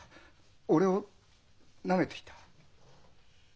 俺をなめていた。